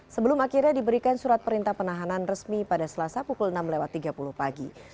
sebelum akhirnya diberikan surat perintah penahanan resmi pada selasa pukul enam tiga puluh pagi